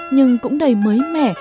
nhưng cũng đầy mới mẻ